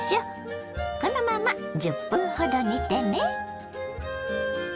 このまま１０分ほど煮てね。